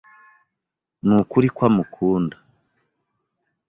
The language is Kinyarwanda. Nukuri ko amukunda.